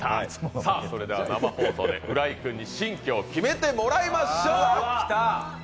それでは生放送で浦井君に新居を決めていただきましょう。